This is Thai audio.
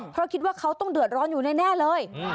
เพราะคิดว่าเขาต้องเดือดร้อนอยู่แน่เลย